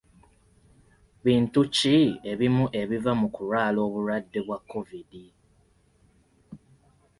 Bintu ki ebimu ebiva mu kulwala obulwadde bwa kovidi?